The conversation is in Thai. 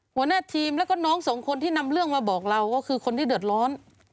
หัวหน้าทีมแล้วก็น้องสองคนที่นำเรื่องมาบอกเราก็คือคนที่เดือดร้อน